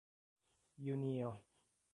junio